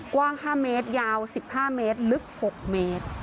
กว้างห้าเมตรยาวสิบห้าเมตรลึกหกเมตร